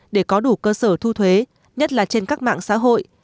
để có đủ cơ sở thu thuế nhất là trên các mạng xã hội